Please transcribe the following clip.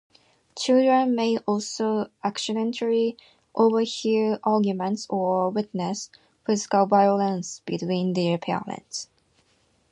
Children may also accidentally overhear arguments or witness physical violence between their parents.